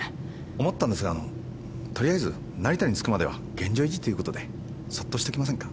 思ったんですがあのとりあえず成田に着くまでは現状維持っていうことでそっとしときませんか？